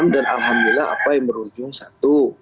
dan alhamdulillah apa yang berujung satu